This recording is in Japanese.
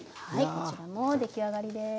こちらも出来上がりです。